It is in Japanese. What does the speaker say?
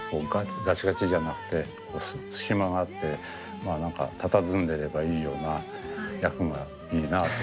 ガチガチじゃなくて隙間があってまあ何かたたずんでればいいような役がいいなあと。